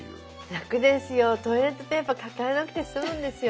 楽ですよトイレットペーパー抱えなくて済むんですよ。